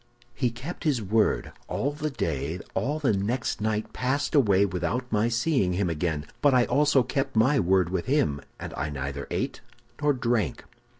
"He kept his word. All the day, all the next night passed away without my seeing him again. But I also kept my word with him, and I neither ate nor drank.